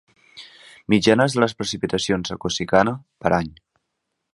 Mitjanes de les precipitacions a Cosicana per any.